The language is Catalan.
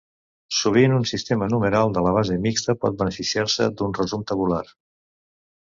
Sovint un sistema numeral de base mixta pot beneficiar-se d'un resum tabular.